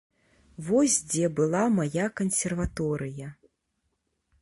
Вось дзе была мая кансерваторыя!